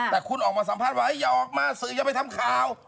แต่คุณออกมาสัมภาษณ์ว่าอย่าออกมาสื่ออย่าไปทำข่าว